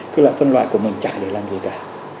cứ là phân loại của mình chả để làm gì cả